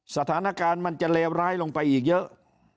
สถานการณ์มันจะเลวร้ายลงไปอีกเยอะ